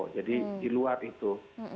jadi di luar itu